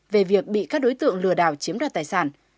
về việc bị các đối tượng lừa đảo chiếm đoạt tài sản